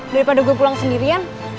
daripada gue pulang sendirian